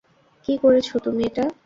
কী করেছ তুমি এটা!